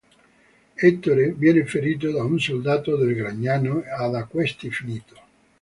Ettore viene ferito da un soldato del Gragnano e da questi finito.